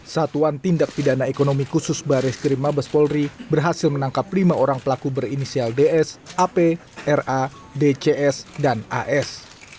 satuan tindak pidana ekonomi khusus baris krim mabes polri berhasil menangkap lima orang pelaku berinisial ds ap ra dcs dan as